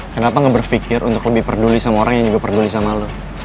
kenapa gak berpikir untuk lebih peduli sama orang yang juga peduli sama lo